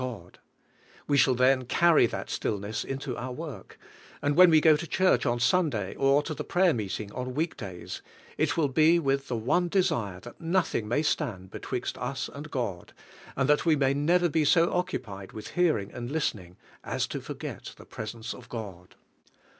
V GOD 41 God; we shall then carry that stillness into our work; and when we go to church on Sunday, or to the prayer meeting on week days, it will be with the one desire that nothing may stand betwixt us and God, and that we may never b^ so occupied with hearing and listening as to forget the presence of God.